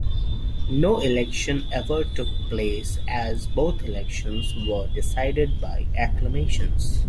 No election ever took place as both elections were decided by Acclamations.